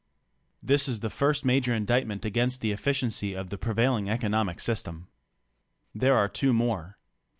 This is the first major indictment against the efficiency of the prevailing economic system. There are two more.